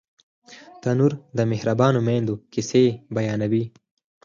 تنور د مهربانو میندو کیسې بیانوي